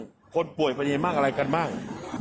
คนป่วยเป็นยังไงบ้างอะไรกันบ้าง